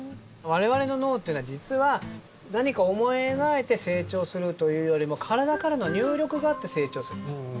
我々の脳っていうのは実は、何かを思い描いて成長するというよりも体からの入力があって成長する。